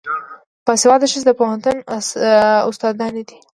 باسواده ښځې د پوهنتون استادانې دي.